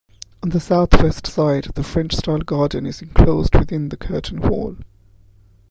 On the southwest side, the French-style garden is enclosed within the curtain wall.